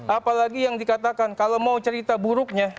apalagi yang dikatakan kalau mau cerita buruknya